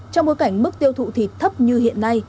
trong bối cảnh mức tiêu thụ thịt thấp như hiện nay